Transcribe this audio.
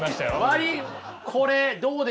割これどうですか？